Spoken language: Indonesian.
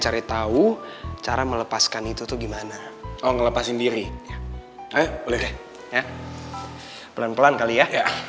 cari tahu cara melepaskan itu tuh gimana oh ngelepas sendiri eh boleh deh ya pelan pelan kali ya